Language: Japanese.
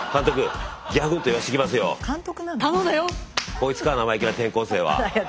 こいつか生意気な転校生は。